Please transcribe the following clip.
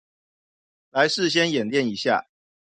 來事先演練一下